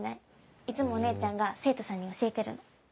いつもお姉ちゃんが生徒さんに教えてるの。